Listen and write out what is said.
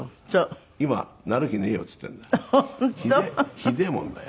ひでえもんだよ。